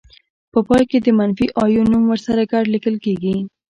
په پای کې د منفي آیون نوم ورسره ګډ لیکل کیږي.